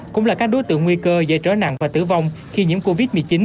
cũng là các đối tượng nguy cơ dây trói nặng và tử vong khi nhiễm covid một mươi chín